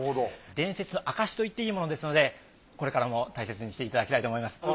伝説の証しと言っていいものですのでこれからも大切にしていただきたいと思います。